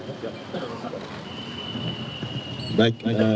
selanjutnya dari jasar harja